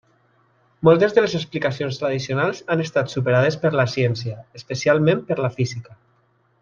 Moltes de les explicacions tradicionals han estat superades per la ciència, especialment per la física.